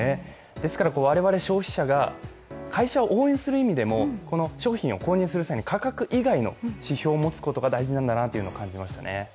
ですから我々消費者が会社を応援する意味でも商品を購入する以外に価格以外の指標を持つことが大事なんだなと思いましたね。